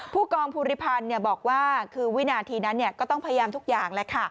ผู้กองภูริพันธ์บอกว่าคือวินาทีนั้นก็ต้องพยายามทุกอย่าง